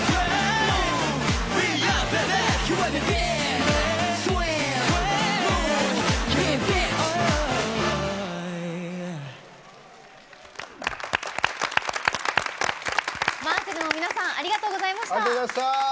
ＭＡＺＺＥＬの皆さんありがとうございました。